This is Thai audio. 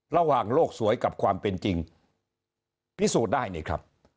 โลกสวยกับความเป็นจริงพิสูจน์ได้นี่ครับ